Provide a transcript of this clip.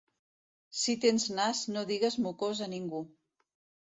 Si tens nas no digues mocós a ningú.